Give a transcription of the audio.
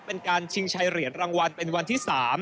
เป็นการชิงชัยเหรียญรางวัลเป็นวันที่๓